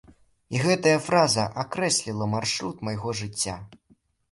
І гэтая фраза акрэсліла маршрут майго жыцця.